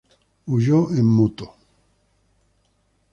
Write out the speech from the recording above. Huyó en "scooter".